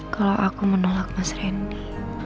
kalau aku menolak mas randy